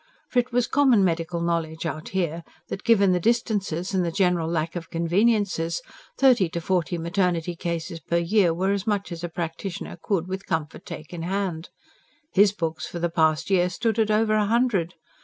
For it was common medical knowledge out here that, given the distances and the general lack of conveniences, thirty to forty maternity cases per year were as much as a practitioner could with comfort take in hand. HIS books for the past year stood at over a hundred!